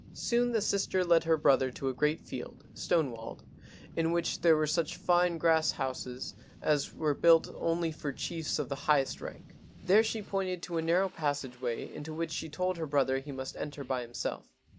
Soon the sister led her brother to a great field, stone walled, in which were such fine grass houses as were built only for chiefs of the highest rank. There she pointed to a narrow passage way into which she told her brother he must enter by himself.